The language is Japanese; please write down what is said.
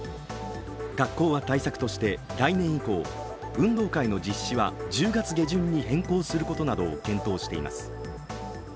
学校は対策として来年以降、運動会の実施は１０月下旬に変更することなどを検討しています。